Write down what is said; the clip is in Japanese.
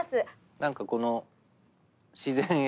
何かこの。